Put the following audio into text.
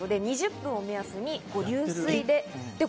２０分を目安に流水で。